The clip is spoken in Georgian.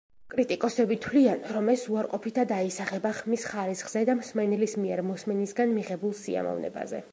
კრიტიკოსები თვლიან, რომ ეს უარყოფითად აისახება ხმის ხარისხზე და მსმენელის მიერ მოსმენისგან მიღებულ სიამოვნებაზე.